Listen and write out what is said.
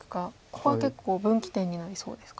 ここは結構分岐点になりそうですか。